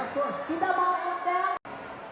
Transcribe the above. ขอบคุณมากสวัสดีครับ